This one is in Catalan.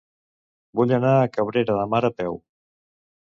Vull anar a Cabrera de Mar a peu.